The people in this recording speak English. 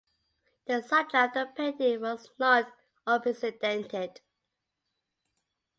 The subject of the painting was not unprecedented.